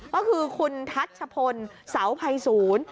ก็คือคุณทัชพลเสาภัยศูนย์